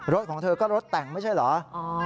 รถของเธอก็รถแต่งไม่ใช่เหรอ